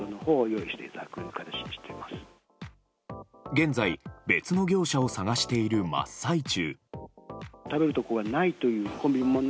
現在、別の業者を探している真っ最中。